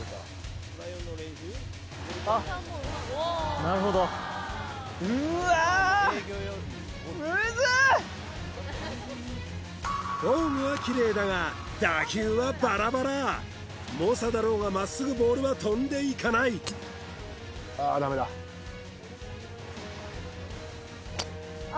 なるほどフォームはキレイだが打球はバラバラ猛者だろうがまっすぐボールは飛んでいかないああ